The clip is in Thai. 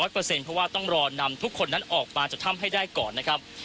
เพราะว่าต้องรอนำทุกคนนั้นออกมาจากถ้ำให้ได้ก่อนนะครับ